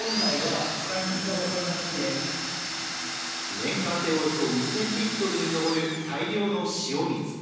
年間でおよそ２０００リットルに上る大量の塩水。